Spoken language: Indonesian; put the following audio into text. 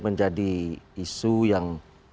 menjadi isu yang